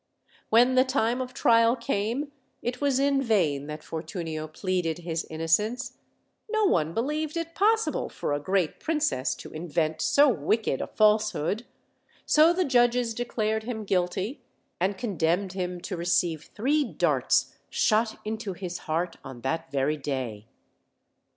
When the time of trial came it was in vain that For tunio pleaded his innocence: no one believed it possible for a great princess to invent so wicked a falsehood: so the judges declared him guilty, and condemned him to receive three darts shot into his heart on that very day.